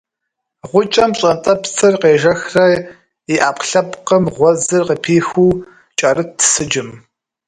Гъукӏэм пщӏантӏэпсыр къежэхрэ и ӏэпкълъэпкъым гъуэзыр къыпихыу кӏэрытт сыджым.